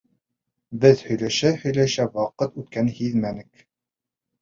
...Беҙ һөйләшә-һөйләшә ваҡыт үткәнен дә һиҙмәнек.